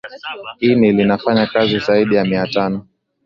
ini linafanya kazi zaidi ya mia tano